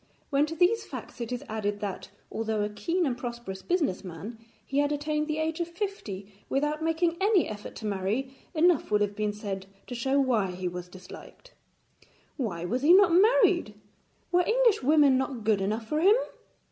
When to these facts it is added that, although a keen and prosperous business man, he had attained the age of fifty without making any effort to marry, enough will have been said to show why he was disliked. Why was he not married? Were English women not good enough for him?